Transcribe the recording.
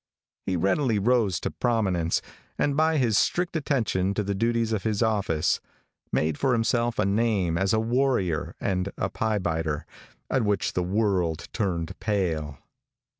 He readily rose to prominence, and by his strict attention to the duties of his office, made for himself a name as a warrior and a pie biter, at which the world turned pale.